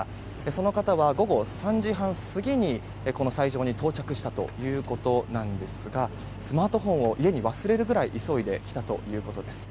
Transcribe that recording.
その方は午後３時半過ぎにこの斎場に到着したということですがスマートフォンを家に忘れるぐらい急いで来たということです。